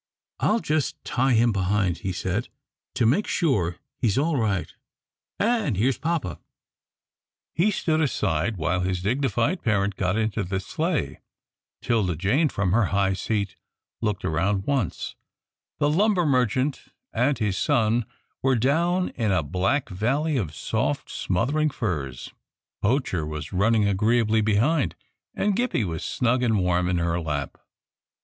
"I'll just tie him behind," he said, "to make sure. He's all right and here's papa." He stood aside, while his dignified parent got into the sleigh. 'Tilda Jane, from her high seat, looked around once. The lumber merchant and his son were down in a black valley of soft, smothering furs, Poacher was running agreeably behind, and Gippie was snug and warm in her lap.